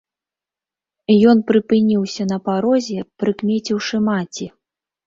Ён прыпыніўся на парозе, прыкмеціўшы маці.